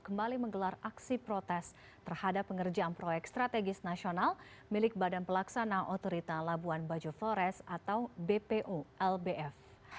kembali menggelar aksi protes terhadap pengerjaan proyek strategis nasional milik badan pelaksana otorita labuan bajo flores atau bpo lbf